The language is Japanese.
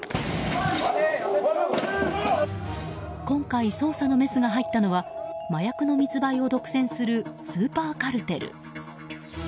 今回、捜査のメスが入ったのは麻薬の密売を独占するスーパーカルテル。